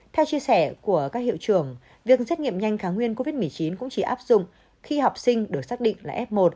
theo chia sẻ của các hiệu trường việc xét nghiệm nhanh kháng nguyên covid một mươi chín cũng chỉ áp dụng khi học sinh được xác định là f một